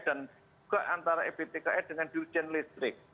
dan juga antara pt ke dengan dirjen elektrik